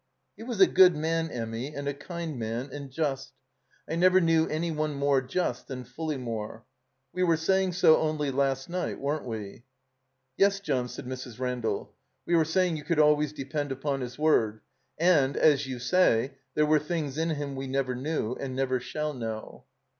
"He was a good man, Emmy, and a kind man — and just. I never knew any one more just than Pulleymore. We were saying so only last night, weren't we?" "Yes, John," said Mrs. Randall. "We were say ing you could always depend upon his word. And, as you say, there were things in him we never knew — and never shall know."